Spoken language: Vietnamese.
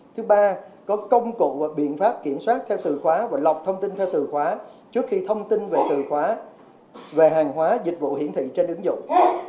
thứ ba có công cụ và biện pháp kiểm soát theo từ khóa và lọc thông tin theo từ khóa trước khi thông tin về từ khóa về hàng hóa dịch vụ hiển thị trên ứng dụng